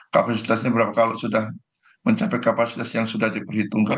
kapasitasnya berapa kalau sudah mencapai kapasitas yang sudah diperhitungkan